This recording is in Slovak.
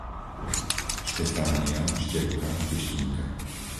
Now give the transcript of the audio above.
Štefánia, Števka, Pištinka